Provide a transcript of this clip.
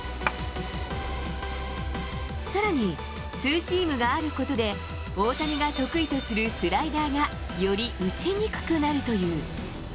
さらにツーシームがあることで、大谷が得意とするスライダーが、より打ちにくくなるという。